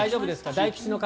大吉の方？